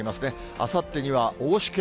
あさってには大しけ。